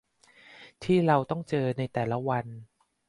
ที่เราต้องเจอในแต่ละวัน